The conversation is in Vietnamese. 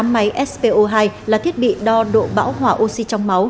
tám máy spo hai là thiết bị đo độ bão hỏa oxy